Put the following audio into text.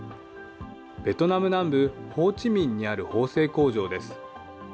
ベトナム南部、ホーチミンにある縫製工場です。